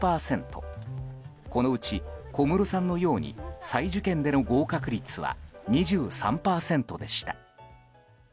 このうち小室さんのように再受験での合格率は２３％でした。